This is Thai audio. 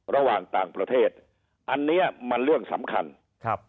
ระหว่างต่างประเทศอันเนี้ยมันเรื่องสำคัญครับ